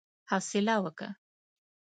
حوصله وکه!